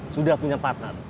sudah punya partner